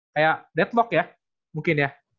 kayak deadlock ya mungkin ya